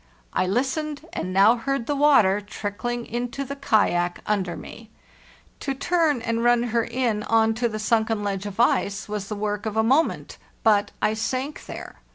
| THE JOURNEY SOUTHWARD 521 listened, and now heard the water trickling into the kayak under me. To turn and run her in on to the sunken ledge of ice was the work of a moment, but I sank there.